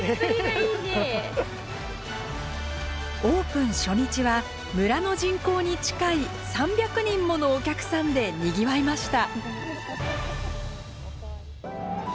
オープン初日は村の人口に近い３００人ものお客さんでにぎわいました。